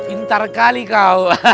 intar kali kau